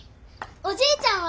おじいちゃんは？